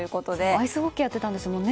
アイスホッケーをやっていたんですよね。